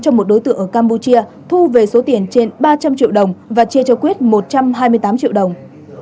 cho một đối tượng ở campuchia thu về số tiền trên ba trăm linh triệu đồng và chia cho quyết một trăm hai mươi tám triệu đồng